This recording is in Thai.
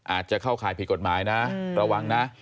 อาจจะเข้าข่ายผิดกฎหมายนะระวังนะ